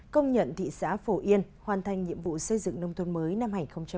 công nhận thị xã phổ yên hoàn thành nhiệm vụ xây dựng nông thôn mới năm hai nghìn một mươi chín